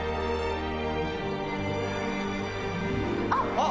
あっ！